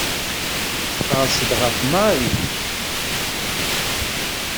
Tqerrseḍ ɣef Mary.